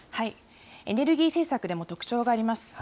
エネルギー政策でも特徴があります。